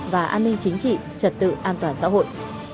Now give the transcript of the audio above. và an ninh chính trị trật tự an toàn xã hội